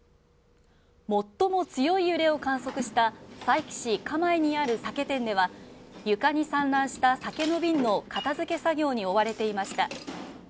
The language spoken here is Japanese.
最も強い揺れを観測した佐伯市蒲江にある酒店では床に散乱した酒の瓶の片づけ作業に追われていました。